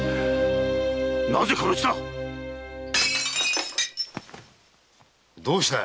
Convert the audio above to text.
なぜ殺したっ⁉どうした？